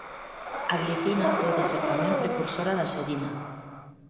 A glicina pode ser tamén precursora da serina.